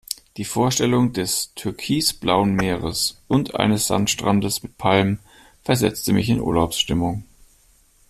Die Vorstellung des türkisblauen Meeres und eines Sandstrandes mit Palmen versetzte mich in Urlaubsstimmung.